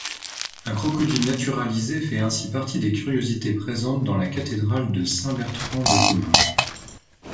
Un crocodile naturalisé fait ainsi partie des curiosités présentes dans la cathédrale de Saint-Bertrand-de-Comminges.